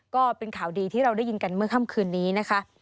ก็เป็นข่าวดีที่เราได้ยินกันเมื่อค่ำคืนนี้นะคะ